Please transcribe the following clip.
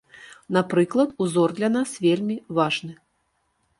Напрыклад, узор для нас вельмі важны.